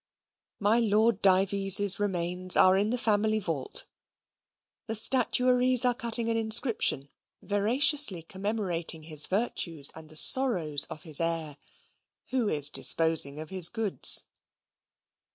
My Lord Dives's remains are in the family vault: the statuaries are cutting an inscription veraciously commemorating his virtues, and the sorrows of his heir, who is disposing of his goods.